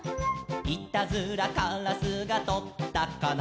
「いたずらからすがとったかな」